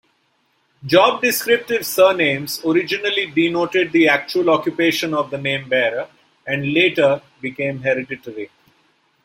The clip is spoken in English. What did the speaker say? Job-descriptive surnames originally denoted the actual occupation of the namebearer, and later became hereditary.